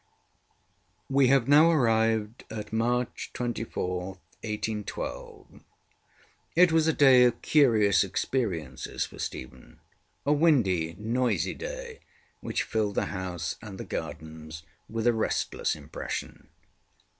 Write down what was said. We have now arrived at March 24, 1812. It was a day of curious experiences for Stephen: a windy, noisy day, which filled the house and the gardens with a restless impression.